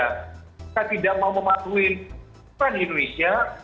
kita tidak mau mematuhi peran indonesia